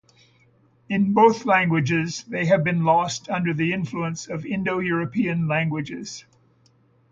In both languages, they have been lost under the influence of Indo-European languages.